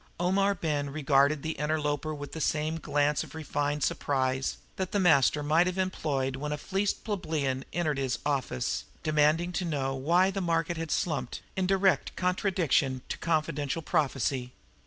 Omar Ben regarded the interloper with the same glance of refined surprise that the master might have employed when a fleeced plebeian entered his office, demanding to know why the market had slumped in direct contradiction to confidential prophecy.